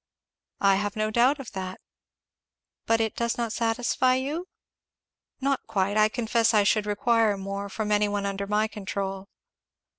"I have no doubt of that." "But it does not satisfy you?" "Not quite. I confess I should require more from any one under my control."